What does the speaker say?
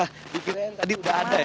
dikirain tadi udah ada ya